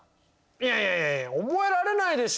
いやいやいや覚えられないでしょ！